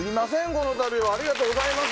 このたびはありがとうございます。